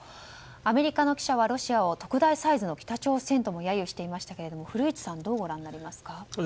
アメリカの記者はロシアを特大サイズの北朝鮮とも揶揄していましたが古市さんはどうご覧になりますか。